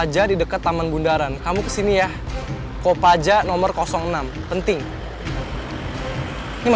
jadi kenapa pak masalahnya